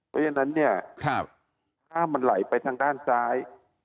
เพราะฉะนั้นเนี่ยถ้ามันไหลไปทางด้านซ้าย